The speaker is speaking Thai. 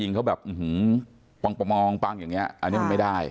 แต่ว่าหลายยิงอีกก็ไม่ได้